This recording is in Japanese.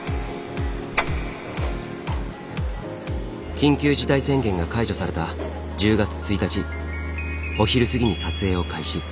緊急事態宣言が解除された１０月１日お昼過ぎに撮影を開始。